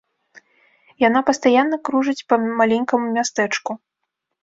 Яна пастаянна кружыць па маленькаму мястэчку.